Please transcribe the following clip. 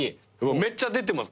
めっちゃ出てます。